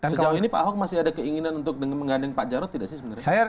sejauh ini pak ahok masih ada keinginan untuk menggandeng pak jarod tidak sih sebenarnya